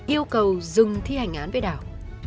yêu cầu dừng thi hành án với đào